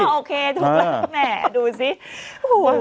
โอเคถูกแล้วแหมดูสิโอ้โห